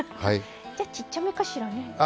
じゃちっちゃめかしらね。